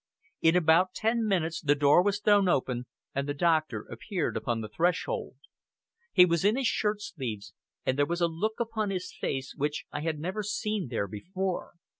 In about ten minutes the door was thrown open, and the doctor appeared upon the threshold. He was in his shirt sleeves, and there was a look upon his face which I had never seen there before.